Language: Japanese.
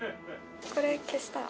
これ消したら？